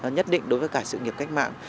nhất định đối với cả sự nghiệp cách mạng